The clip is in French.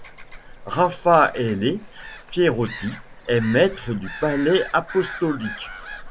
Raffaele Pierotti est maître du palais apostolique.